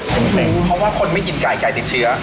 ไม่รู้เพราะว่าคนไม่กินไก่ไก่ติดเชื้อ